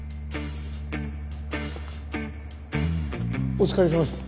お疲れさまです。